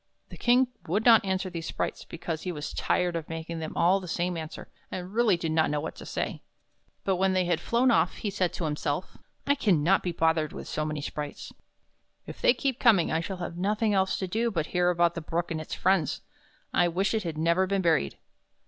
The King would not answer these sprites, because he was tired of making them all the same answer, and really did not know what to say. But when they had flown off, he said to himself :" I can not be bothered with so many sprites. If they keep coming I shall have nothing else to do but hear about the Brook and its friends. I wish it had never been buried."